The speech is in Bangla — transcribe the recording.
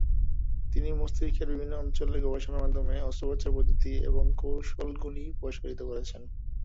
তিনি মস্তিষ্কের বিভিন্ন অঞ্চলের গবেষণার মাধ্যমে অস্ত্রোপচারের পদ্ধতি এবং কৌশলগুলি প্রসারিত করেছেন।